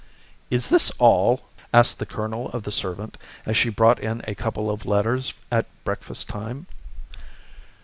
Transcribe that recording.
"Is this all?" asked the colonel of the servant, as she brought in a couple of letters at breakfast time.